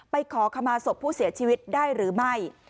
ขอขมาศพผู้เสียชีวิตได้หรือไม่